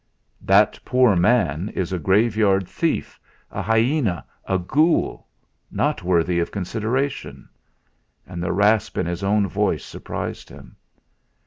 "That poor man is a graveyard thief; a hyena; a ghoul not worth consideration." And the rasp in his own voice surprised him.